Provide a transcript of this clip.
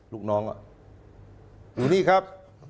ลูกน้องอยู่นี่ครับ